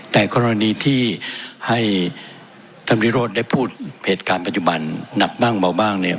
แต่กรณีที่ให้ท่านวิโรธได้พูดเหตุการณ์ปัจจุบันหนักบ้างเบาบ้างเนี่ย